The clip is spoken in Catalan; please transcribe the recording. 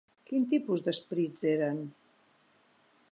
Quin tipus d'esperits eren?